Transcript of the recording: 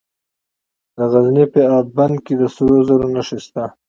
د غزني په اب بند کې د سرو زرو نښې شته.